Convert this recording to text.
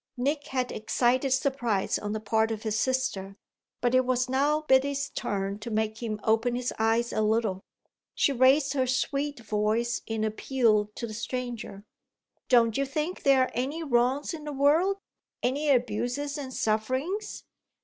Nick had excited surprise on the part of his sister, but it was now Biddy's turn to make him open his eyes a little. She raised her sweet voice in appeal to the stranger. "Don't you think there are any wrongs in the world any abuses and sufferings?"